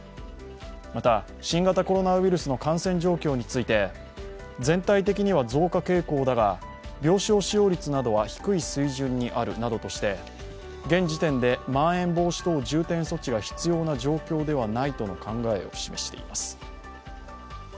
また、新型コロナウイルスの感染状況について、全体的には増加傾向だが病床使用率などは低い水準にあるなどとして現時点でまん延防止等重点措置が必要な状況ではないとの考えを示しています。